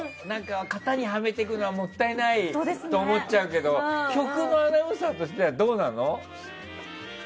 型にはめていくのはもったいないなと思うけど局のアナウンサーとしてはどうなの？